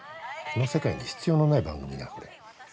この世界に必要のない番組だこれ。